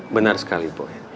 benar sekali boy